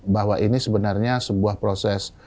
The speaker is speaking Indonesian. bahwa ini sebenarnya sebuah proses